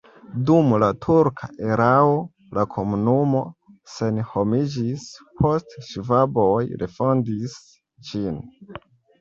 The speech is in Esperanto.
Dum la turka erao la komunumo senhomiĝis, poste ŝvaboj refondis ĝin.